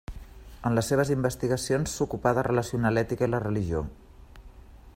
En les seves investigacions s'ocupà de relacionar l'ètica i la religió.